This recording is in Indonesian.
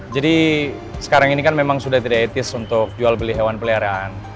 jadi sekarang ini kan memang sudah tidak etis untuk jual beli hewan peliharaan